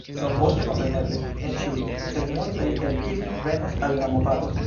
Do, poste, kompreneble, ne ĉiuj, sed multaj el ili venos al la movado.